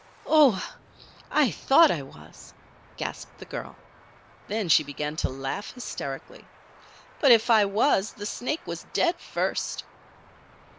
"Oh! I I thought I was," gasped the girl. Then she began to laugh hysterically. "But if I was the snake was dead first."